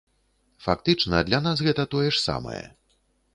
Фактычна, для нас гэта тое ж самае.